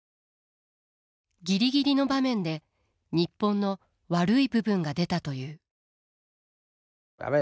ギリギリの場面で日本の悪い部分が出たという。